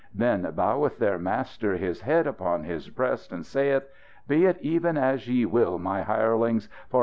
Then boweth their master his head upon his breast and saith: 'Be it even as ye will, my hirelings!